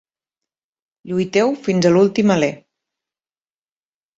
Lluiteu fins a l'últim alè